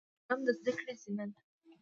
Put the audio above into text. قلم د زده کړې زینه ده